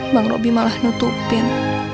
bang robi malah nutupin